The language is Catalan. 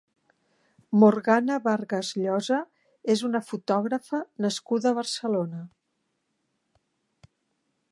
Morgana Vargas Llosa és una fotògrafa nascuda a Barcelona.